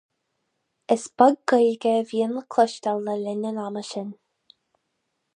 Is beag Gaeilge a bhíonn le cloisteail le linn an ama sin.